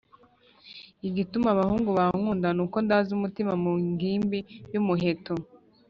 Igituma abahungu bankunda nuko ndaza umutima ku ngimbi y’umuheto,